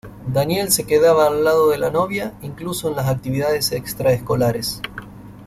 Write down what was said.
Daniel se quedaba al lado de la novia incluso en las actividades extra-escolares.